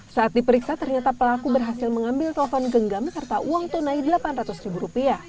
saat diperiksa ternyata pelaku berhasil mengambil telepon genggam serta uang tunai rp delapan ratus